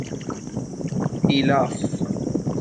ایلاف